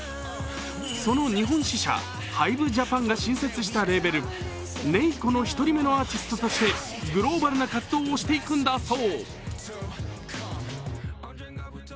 その日本本社・ＨＹＢＥＪＡＰＡＮが新設したレーベル、ＮＡＥＣＯの１人目のアーティストとしてグローバルな活動をしていくのだそう。